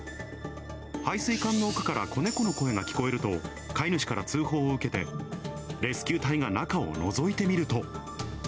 排水管の奥から子猫の声が聞こえると、飼い主から通報を受けて、レスキュー隊が中をのぞいてみると。